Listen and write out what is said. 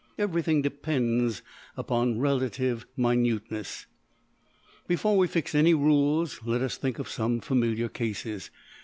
Everything depends upon relative minuteness. Before we fix any rules let us think of some familiar cases.